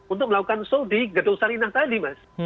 untuk melakukan show di gedung sarinah tadi mas